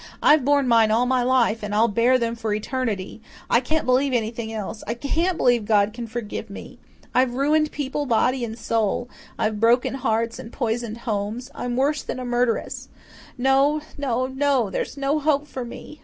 "I've borne mine all my life and I'll bear them for all eternity. I can't believe anything else. I CAN'T believe God can forgive me. I've ruined people body and soul I've broken hearts and poisoned homes I'm worse than a murderess. No no no, there's no hope for me."